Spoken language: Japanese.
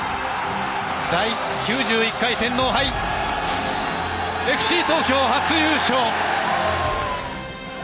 第９１回天皇杯ＦＣ東京、初優勝。